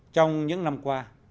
trong những năm trước